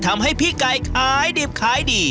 แต่เนี่ยขอร้อนหวัดอะ